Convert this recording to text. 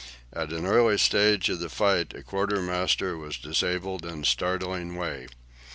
At an early stage of the fight a quartermaster was disabled in a startling way.